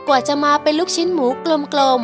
กว่าจะมาเป็นลูกชิ้นหมูกลม